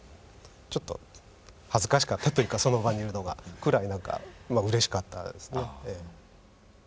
ちょっと恥ずかしかったというかその場にいるのがくらいなんかうれしかったですね。